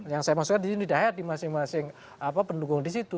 yang saya maksudkan di sini daya di masing masing pendukung di situ